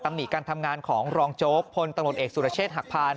หนิการทำงานของรองโจ๊กพลตำรวจเอกสุรเชษฐหักพาน